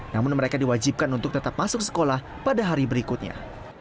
namun mereka diwajibkan untuk tetap masuk sekolah pada hari berikutnya